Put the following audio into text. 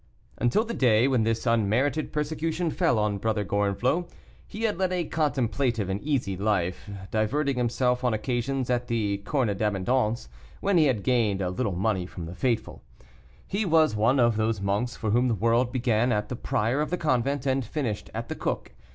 Until the day when this unmerited persecution fell on Brother Gorenflot, he had led a contemplative and easy life, diverting himself on occasions at the Corne d'Abondance, when he had gained a little money from the faithful. He was one of those monks for whom the world began at the prior of the convent, and finished at the cook.